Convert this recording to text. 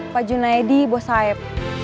pak junaedi bos saeb